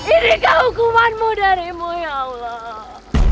ini kehukumanmu dari mu ya allah